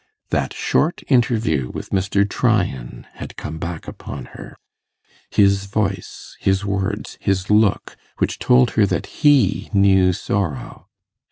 That short interview with Mr. Tryan had come back upon her his voice, his words, his look, which told her that he knew sorrow.